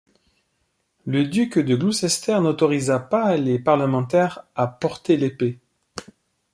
Le duc de Gloucester n'autorisa pas les parlementaires à porter l'épée.